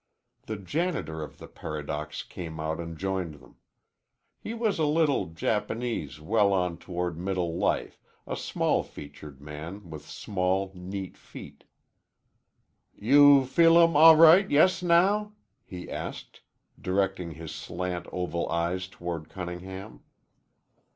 The janitor of the Paradox came out and joined them. He was a little Japanese well on toward middle life, a small featured man with small, neat feet. "You feelum all right yes now?" he asked, directing his slant, oval eyes toward Cunningham.